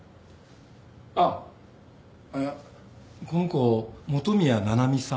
あっいやこの子元宮七海さん？